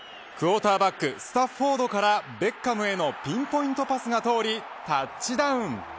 クオーターバックスタッフォードからベッカムへのピンポイントパスが通りタッチダウン。